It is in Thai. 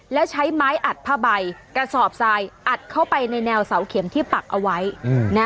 แล้วใช้ไม้อัดผ้าใบกระสอบทรายอัดเข้าไปในแนวเสาเข็มที่ปักเอาไว้นะ